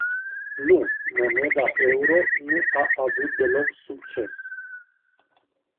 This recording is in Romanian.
Nu, moneda euro nu a avut deloc succes.